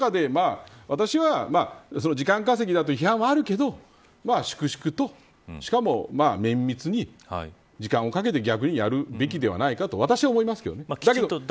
その中で、私は時間稼ぎだという批判はあるけど粛々と、しかも綿密に時間をかけて逆にやるべきではないかと私は思いますけどね。